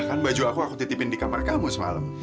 kan baju aku titipin di kamar kamu semalam